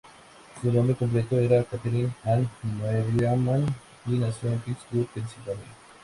Su nombre completo era Katherine Ann Merriman, y nació en Pittsburgh, Pensilvania.